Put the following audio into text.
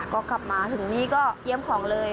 ก็กลับมาถึงนี่ก็เตรียมของเลย